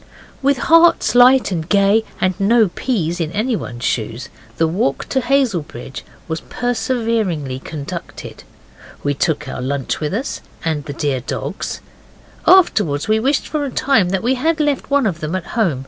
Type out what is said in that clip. With hearts light and gay, and no peas in anyone's shoes, the walk to Hazelbridge was perseveringly conducted. We took our lunch with us, and the dear dogs. Afterwards we wished for a time that we had left one of them at home.